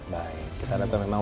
baik karena memang